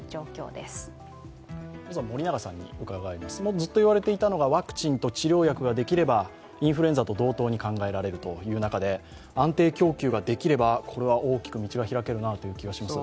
ずっと言われていたのが、ワクチンと治療薬ができればインフルエンザと同等に考えられるという中で安定供給ができれば、大きく道が開ける気がします。